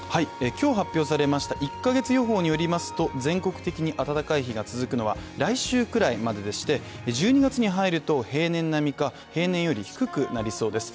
今日発表されました１か月予報によりますと全国的に暖かい日が続くのは来週くらいまででして１２月に入ると平年並みか平年より低くなりそうです。